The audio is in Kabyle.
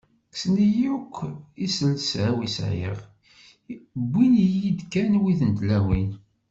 Kksen-iyi akk iselsa-w i sɛiɣ, iwin-iyi-d kan wid n tlawin.